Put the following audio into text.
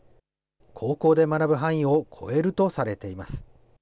高校で学ぶ範囲を超えるとされています。